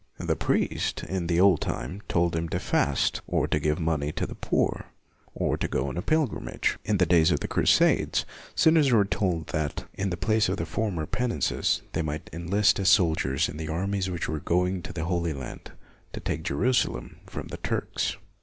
The priest, in the old time, told him to fast, or to give money to the poor, or to go on a pilgrim age. In the days of the crusades, sinners were told that, in the place of the former penances, they might enlist as soldiers in the armies which were going to the Holy Land to take Jerusalem from the Turks.